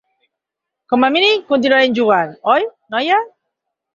Com a mínim continuarem jugant, oi, noia?